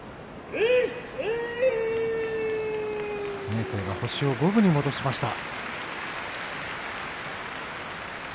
明生星を五分に戻しました。